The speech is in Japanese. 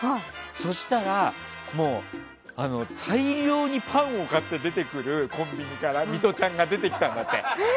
そしたら、大量にパンを買ってコンビニから出てくるミトちゃんが出てきたんだって。